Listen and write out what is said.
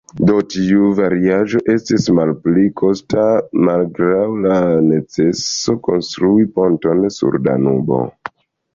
Do tiu variaĵo estis malpli kosta, malgraŭ la neceso konstrui ponton sur Danubo.